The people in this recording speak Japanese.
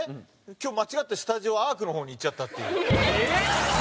今日間違ってスタジオアークの方に行っちゃったっていう。